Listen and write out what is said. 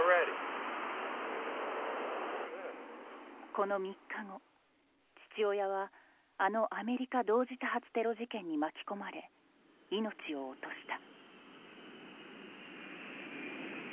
この３日後父親はあのアメリカ同時多発テロ事件に巻き込まれ命を落とした。